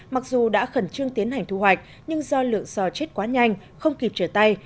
mặc dù đã khẩn trương tiến hành thu hoạch nhưng do lượng sò chết quá nhanh không kịp trở tay